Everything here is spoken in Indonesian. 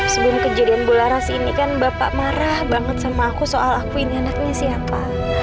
sebelum kejadian bulan ras ini kan bapak marah banget sama aku soal aku ini anaknya siapa